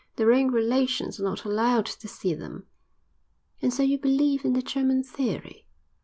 Their own relations are not allowed to see them." "And so you believe in the German theory?"